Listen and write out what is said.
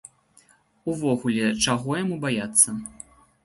Увогуле, чаго яму баяцца.